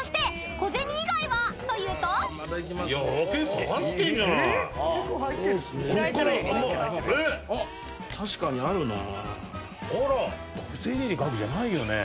小銭入れの額じゃないよね。